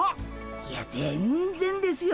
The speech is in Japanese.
いや全然ですよ。